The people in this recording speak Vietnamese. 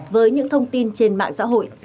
với những thông tin trên mạng xã hội